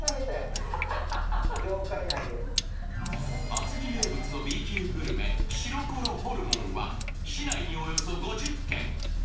厚木名物のＢ級グルメシロコロホルモンは市内におよそ５０軒。